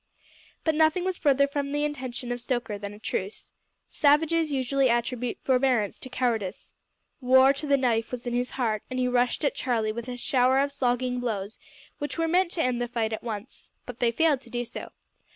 But nothing was further from the intention of Stoker than a truce. Savages usually attribute forbearance to cowardice. War to the knife was in his heart, and he rushed at Charlie with a shower of slogging blows, which were meant to end the fight at once. But they failed to do so.